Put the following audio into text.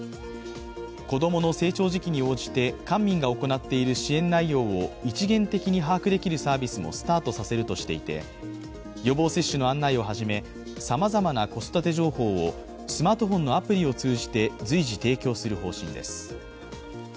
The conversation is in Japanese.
子供の成長時期に応じて官民が行っている支援内容を一元的に把握できるサービスもスタートさせるとしていて予防接種の案内をはじめさまざまな子育て情報をスマートフォンのアプリを通じて随時提供する方針です。